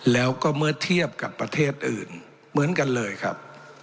แล้วก็เมื่อเทียบกับประเทศอื่นเหมือนกันเลยครับ